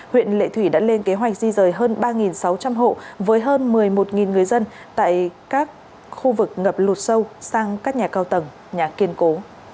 huyện lệ thủy đã lên kế hoạch di rời hơn ba sáu trăm linh hộ với hơn một mươi một người dân tại các khu vực ngập lụt sâu sang các nhà cao tầng nhà kiên cố